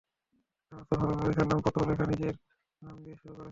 কারণ রাসূলুল্লাহ সাল্লাল্লাহু আলাইহি ওয়াসাল্লাম পত্র লেখা নিজের নাম দিয়ে শুরু করেছেন।